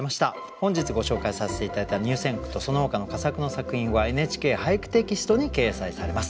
本日ご紹介させて頂いた入選句とそのほかの佳作の作品は「ＮＨＫ俳句テキスト」に掲載されます。